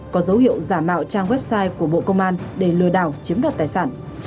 có dấu hiệu giả mạo trang website của bộ công an để lừa đảo chiếm đoạt tài sản